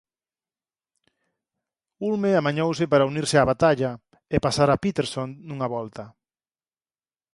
Hulme amañouse para unirse á batalla e pasar a Peterson nunha volta.